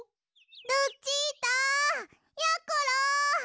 ルチータやころ！